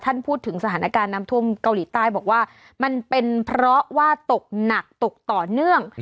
พูดถึงสถานการณ์น้ำท่วมเกาหลีใต้บอกว่ามันเป็นเพราะว่าตกหนักตกต่อเนื่อง